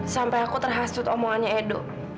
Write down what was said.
sampai aku terhasut omongannya edo